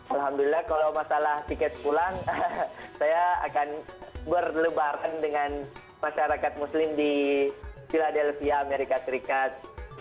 alhamdulillah kalau masalah tiket pulang saya akan berlebaran dengan masyarakat muslim di philadelphia amerika serikat